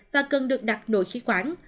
và cần được đặt nội khí khoản